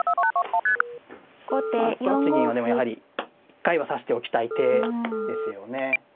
６八銀はでもやはり一回は指しておきたい手ですよね。